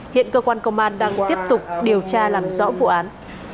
hiện cơ quan công an đang tiếp tục điều tra làm rõ vụ án